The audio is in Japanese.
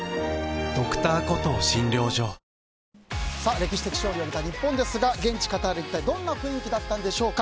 歴史的勝利を挙げた日本ですが現地カタール、一体どんな雰囲気だったんでしょうか。